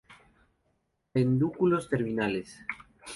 Pedúnculos terminales.